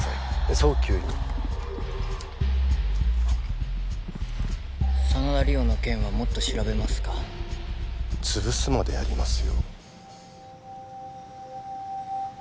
早急に真田梨央の件はもっと調べますか潰すまでやりますよ